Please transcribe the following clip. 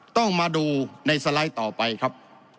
ต้องมาดูในสไลด์ต่อไปครับ